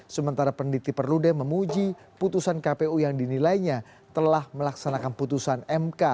sementara penditi perludem memuji putusan kpu yang dinilainya telah melaksanakan putusan mk